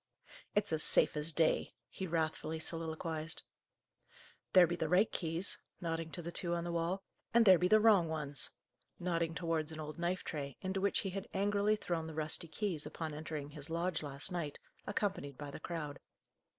"It's as safe as day," he wrathfully soliloquized. "There be the right keys," nodding to the two on the wall, "and there be the wrong ones," nodding towards an old knife tray, into which he had angrily thrown the rusty keys, upon entering his lodge last night, accompanied by the crowd.